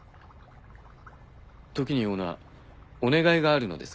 時にオーナーお願いがあるのですが。